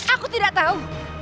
aku tidak tau